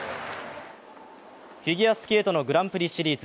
フィギュアスケートのグランプリシリーズ。